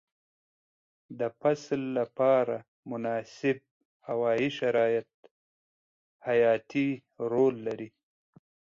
د فصل لپاره مناسب هوايي شرایط حیاتي رول لري.